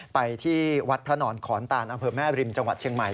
ไปที่วัดพระนอนขอนต่างเอาเปริมแม่ภิมศ์จังหวัดเชียงใหม่